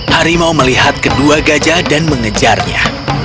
harimau melihat kedua gajah dan mengejarnya